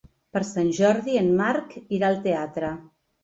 Per Sant Jordi en Marc irà al teatre.